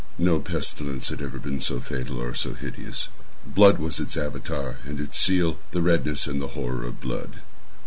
No pestilence had ever been so fatal, or so hideous. Blood was its Avatar and its seal—the redness and the horror of blood.